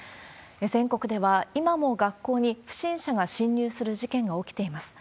全国では、今も学校に不審者が侵入する事件が起きています。